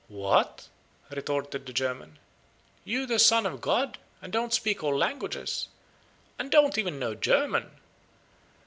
"What!" retorted the German, "you the Son of God, and don't speak all languages, and don't even know German?